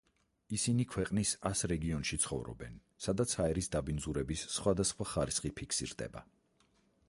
ისინი ქვეყნის ას რეგიონში ცხოვრობენ, სადაც ჰაერის დაბინძურების სხვადასხვა ხარისხი ფიქსირდება.